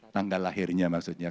tanggal lahirnya maksudnya